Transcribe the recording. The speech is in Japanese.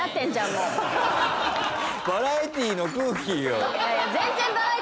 バラエティの空気よ。